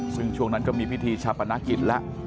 ซึ่งช่วงนั้นก็มีพิธีชาปนกิจแล้ว